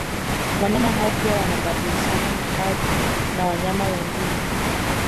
Wanyama hao pia wanabadilishana makazi na wanyama wengine